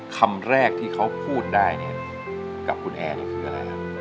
คำแรกที่เขาพูดได้เนี่ยกับคุณแอร์นี่คืออะไรฮะ